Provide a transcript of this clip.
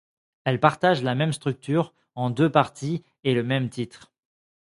Elles partagent la même structure en deux parties et le même titre.